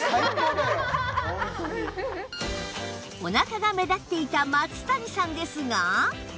お腹が目立っていた松谷さんですが